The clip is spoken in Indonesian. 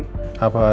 hei bapak bakti